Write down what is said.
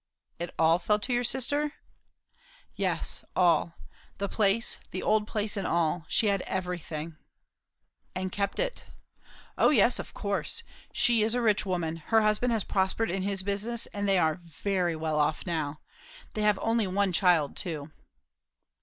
"It all fell to your sister?" "Yes. All. The place, the old place, and all. She had everything." "And kept it." "O yes. Of course. She is a rich woman. Her husband has prospered in his business; and they are very well off now. They have only one child, too."